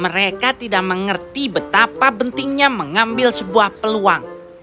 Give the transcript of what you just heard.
mereka tidak mengerti betapa pentingnya mengambil sebuah peluang